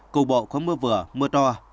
cục bộ có mưa vừa mưa to